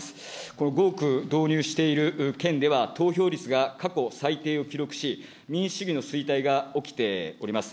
この合区導入している県では、投票率が過去最低を記録し、民主主義の衰退が起きております。